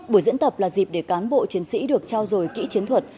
buổi diễn tập là dịp để cán bộ chiến sĩ được trao dồi kỹ chiến thuật